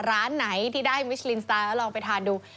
ร้านไหนที่ได้มิชลินสไตล์แล้วลองไปทานดู